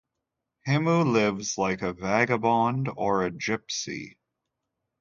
Himu lives like a vagabond or a gypsy.